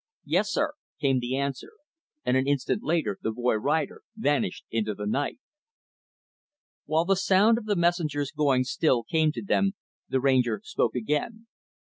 "Yes, sir," came the answer, and an instant later the boy rider vanished into the night. While the sound of the messenger's going still came to them, the Ranger spoke again.